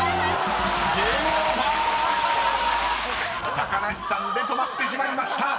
［高梨さんで止まってしまいました］